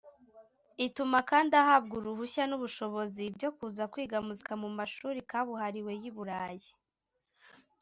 ituma kandi ahabwa uruhushya n'ubushobozi byo kuza kwiga Muzika mu mashuri kabuhariwe y'i Burayi.